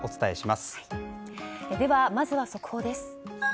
まずは速報です。